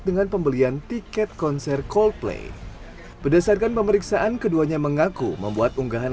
dengan pembelian tiket konser coldplay berdasarkan pemeriksaan keduanya mengaku membuat unggahan